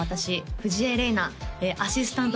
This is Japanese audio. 藤江れいなアシスタント